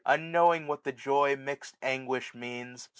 Unknowing what the joy mixt anguish means.